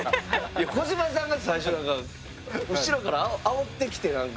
児嶋さんが最初後ろからあおってきてなんか。